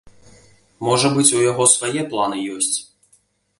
Можа быць, у яго свае планы ёсць.